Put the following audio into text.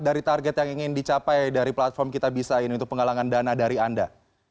dari target yang ingin dicapai dari platform kitabisa ini untuk penggalangan dana dari anda